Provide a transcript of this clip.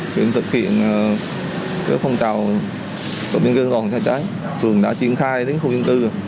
việc thực hiện phòng cháy chữa cháy thường đã triển khai đến khu dân cư